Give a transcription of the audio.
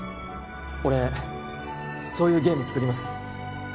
俺そういうゲーム作ります